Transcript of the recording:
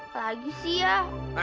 lagi sih ya